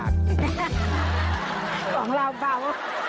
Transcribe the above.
ของเราครับ